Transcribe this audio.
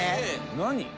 何？